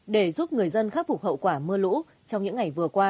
để giúp người dân khắc phục hậu quả mưa lũ trong những ngày vừa qua